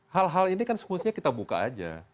hal hal ini kan semestinya kita buka aja